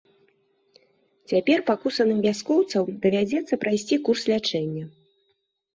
Цяпер пакусаным вяскоўцам давядзецца прайсці курс лячэння.